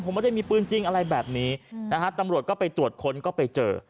ผมไม่ได้มีปืนจริงอะไรแบบนี้นะฮะตำรวจก็ไปตรวจค้นก็ไปเจอ